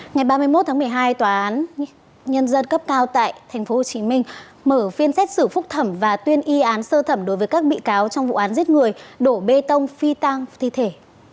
ngày ba mươi một tháng một mươi hai tòa án nhân dân cấp cao tại tp hcm mở phiên xét xử phúc thẩm và tuyên y án sơ thẩm đối với các bị cáo trong vụ án giết người đổ bê tông phi tang thi thể